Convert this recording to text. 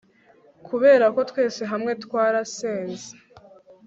kuberako twese hamwe twarasenze